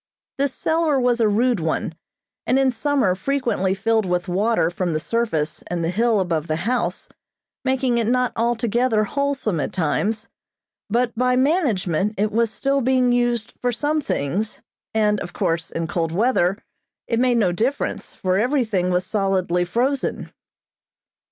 This cellar was a rude one, and in summer frequently filled with water from the surface and the hill above the house, making it not altogether wholesome at times, but by management, it was still being used for some things, and of course, in cold weather, it made no difference, for everything was solidly frozen.